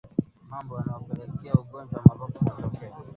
Mambo yanayopelekea ugonjwa wa mapafu kutokea